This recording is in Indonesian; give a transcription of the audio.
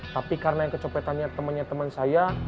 tapi karena yang kecopetan temen temen saya